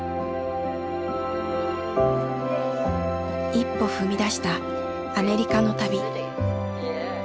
一歩踏み出したアメリカの旅。